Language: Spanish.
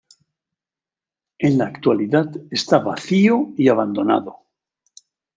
En la actualidad está vacío y abandonado.